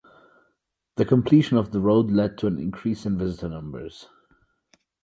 The completion of the road led to an increase in visitor numbers.